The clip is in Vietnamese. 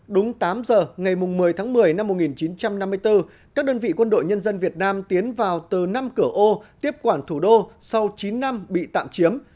đúng tám giờ ngày một mươi tháng một mươi năm một nghìn chín trăm năm mươi bốn các đơn vị quân đội nhân dân việt nam tiến vào từ năm cửa ô tiếp quản thủ đô sau chín năm bị tạm chiếm